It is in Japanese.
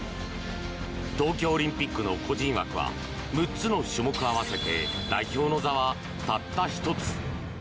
東京オリンピックの個人枠は６つの種目合わせて代表の座はたった１つ。